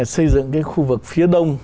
xây dựng cái khu vực phía đông